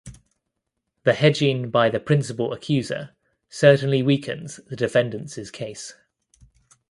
The hedging by the principal accuser certainly weakens the defendants' case.